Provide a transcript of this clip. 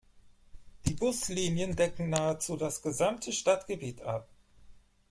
Die Buslinien decken nahezu das gesamte Stadtgebiet ab.